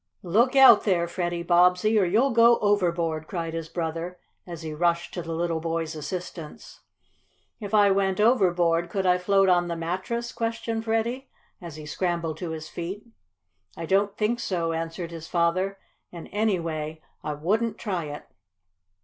"Look out there, Freddie Bobbsey, or you'll go overboard!" cried his brother, as he rushed to the little boy's assistance. "If I went overboard, could I float on the mattress?" questioned Freddie, as he scrambled to his feet. "I don't think so," answered his father. "And, anyway, I wouldn't try it."